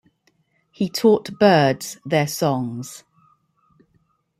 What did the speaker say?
He taught birds their songs.